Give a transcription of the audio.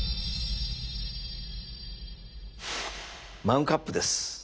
マグカップです。